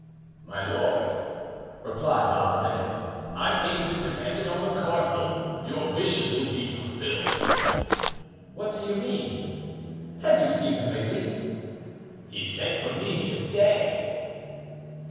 "My lord," replied La Ramee, "I think if it depended on the cardinal your wishes would be fulfilled." "What do you mean? Have you seen him lately?" "He sent for me to day."